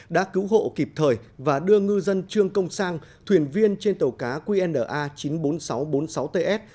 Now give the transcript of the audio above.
đã cứu hộ kịp thời và đưa ngư dân trương công sang thuyền viên trên tàu cá qna chín mươi bốn nghìn sáu trăm bốn mươi sáu ts